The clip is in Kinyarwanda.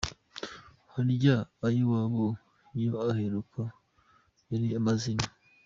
Harya ayiwabo yo aheruka yari mazima?